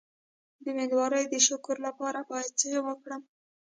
د امیدوارۍ د شکر لپاره باید څه وکړم؟